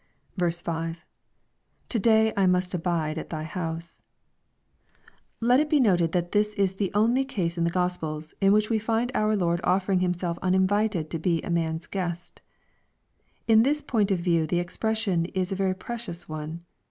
5. — [To day I must ahide at thy house.] Let it be noted, that this is the only case in the Gospels, in which we find our Lord offering Himself uninvited to be a man's guest. In this point of view the expression is a very precious one.